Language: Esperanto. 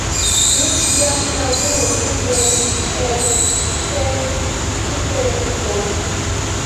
Dum ĝia inaŭguro kunvenis eĉ cent interesitoj.